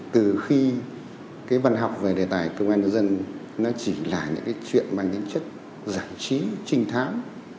từ khi văn học về đề tài công an nhân dân chỉ là những chuyện bằng những chất giải trí trinh thám